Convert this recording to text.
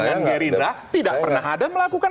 dengan gerindra tidak pernah ada melakukan